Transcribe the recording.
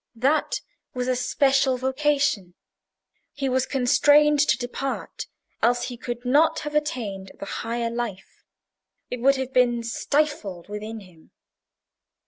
"That was a special vocation. He was constrained to depart, else he could not have attained the higher life. It would have been stifled within him."